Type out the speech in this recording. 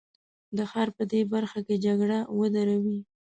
د ښار په دې برخه کې جګړه ودروي.